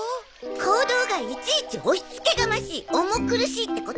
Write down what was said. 行動がいちいち押しつけがましい重苦しいってこと。